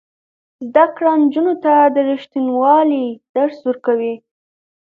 زده کړه نجونو ته د ریښتینولۍ درس ورکوي.